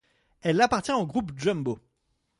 Elle appartient au groupe Jumbo.